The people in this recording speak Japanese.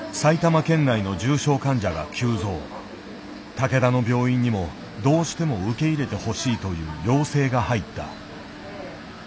竹田の病院にもどうしても受け入れてほしいという要請が入った。